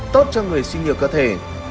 tốt cho người suy nghĩ nhiều cơ thể